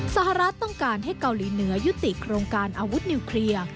สหรัฐต้องการให้เกาหลีเหนือยุติโครงการอาวุธนิวเคลียร์